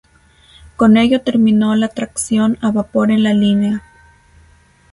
Con ello terminó la tracción a vapor en la línea.